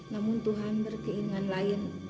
namun tuhan berkeinginan lain